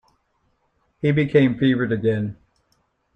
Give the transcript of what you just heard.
He became fevered again.